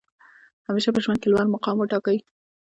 همېشه په ژوند کښي لوړ مقام وټاکئ!